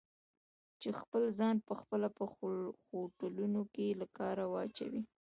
چې خپل ځان په خپله په خوټلون کې له کاره واچوي؟